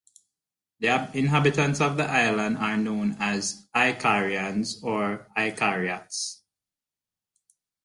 The inhabitants of the island are known as Icarians or Icariots.